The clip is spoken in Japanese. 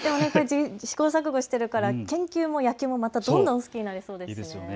試行錯誤をしているから研究も野球もどんどん好きになりそうですよね。